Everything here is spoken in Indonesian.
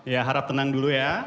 ya harap tenang dulu ya